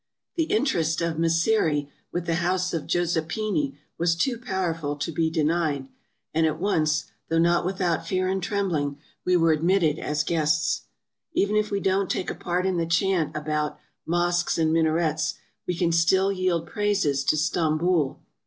The interest of Mysseri with the house of Giuseppini was too powerful to be denied, and at once, though not without fear and trembling, we were admitted as guests. Even if we don't take a part in the chant about '' mosques and minarets," we can still yield praises to Stamboul.